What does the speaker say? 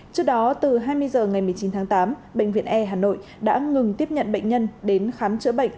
trước đó từ hai mươi h ngày một mươi chín tháng tám bệnh viện e hà nội đã ngừng tiếp nhận bệnh nhân đến khám chữa bệnh